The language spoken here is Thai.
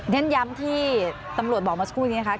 เน้นย้ำที่ตำรวจบอกมาสักครู่นี้นะคะ